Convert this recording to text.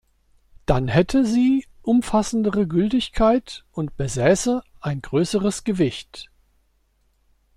Dann hätte sie umfassendere Gültigkeit und besäße ein größeres Gewicht.